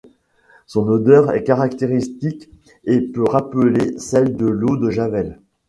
Son odeur est caractéristique et peut rappeler celle de l'eau de Javel.